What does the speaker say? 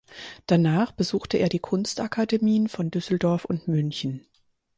Danach besuchte er die Kunstakademien von Düsseldorf und München.